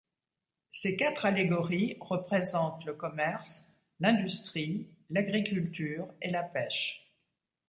Ces quatre allégories représentent le commerce, l'industrie, l'agriculture et la pêche.